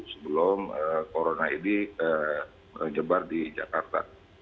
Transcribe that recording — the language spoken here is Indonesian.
sebelum corona ini menyebar di jakarta